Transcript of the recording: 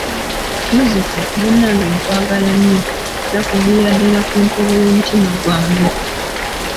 Muzzukulu, munnange nkwagala nnyo era kuviira ddala ku ntobo y'omutima gwange.